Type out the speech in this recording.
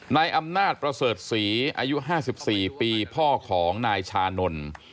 นายอำนาจประเสริฐศรีอายุ๕๔ปีพ่อของนายชานนท์